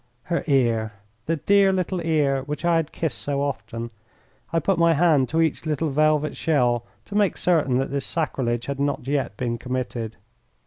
Her ear! The dear little ear which I had kissed so often. I put my hand to each little velvet shell to make certain that this sacrilege had not yet been committed.